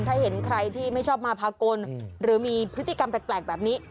ถ้าเห็นใครที่ไม่ชอบมาพากลหรือมีพฤติกรรมแปลกแบบนี้